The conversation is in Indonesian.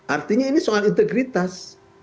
artinya ini soal integritas